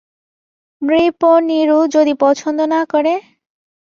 নৃপ-নীরু যদি পছন্দ না করে?